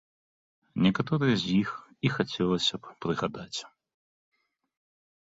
Некаторыя з іх і хацелася б прыгадаць.